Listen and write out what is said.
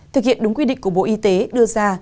thực hiện đúng quy định của bộ y tế đưa ra